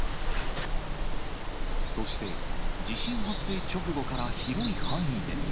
そして、地震発生直後から広い範囲で。